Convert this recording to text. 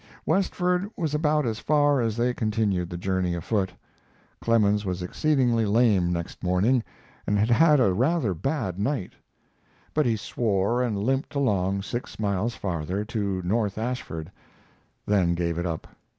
Westford was about as far as they continued the journey afoot. Clemens was exceedingly lame next morning, and had had a rather bad night; but he swore and limped along six miles farther, to North Ashford, then gave it up.